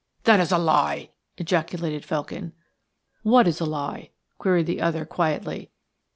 "That is a lie!" ejaculated Felkin. "What is a lie?" queried the other, quietly.